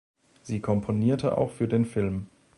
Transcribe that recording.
Sie komponierte auch für den Film.